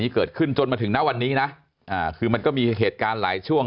เกิดขึ้นจนมาถึงณวันนี้นะคือมันก็มีเหตุการณ์หลายช่วง